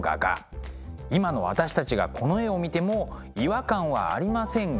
今の私たちがこの絵を見ても違和感はありませんが。